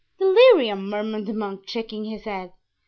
'" "Delirium!" murmured the monk, shaking his head.